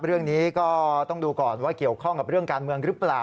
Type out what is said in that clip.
เรื่องนี้ก็ต้องดูก่อนว่าเกี่ยวข้องกับเรื่องการเมืองหรือเปล่า